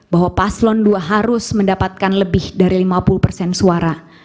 bahwa paslon dua harus mendapatkan lebih dari lima puluh persen suara